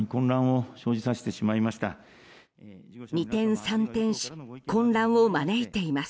二転三転し混乱を招いています。